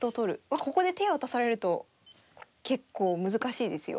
ここで手渡されると結構難しいですよ。